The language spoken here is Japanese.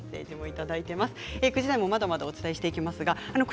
９時台もまだまだお伝えしていきます。